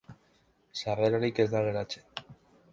Sarrerarik ez da geratzen.